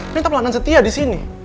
ini tetap langan setia disini